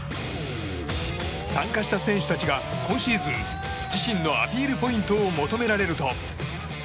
参加した選手たちが今シーズン自身のアピールポイントを求められると。